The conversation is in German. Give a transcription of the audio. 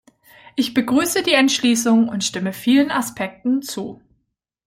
Ich begrüße die Entschließung und stimme vielen Aspekten zu.